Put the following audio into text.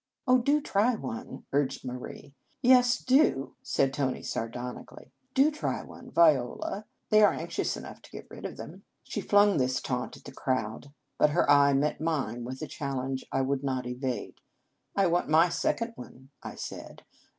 " Oh, do try one !" urged Marie. " Yes, do !" said Tony sardonically. " Do try one, Viola. They are anxious enough to get rid of them." 138 Un Conge sans Cloche She flung this taunt at the crowd, but her eye met mine with a chal lenge I would not evade. " I want my second one," I said.